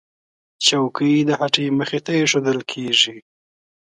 چوکۍ د هټۍ مخې ته ایښودل کېږي.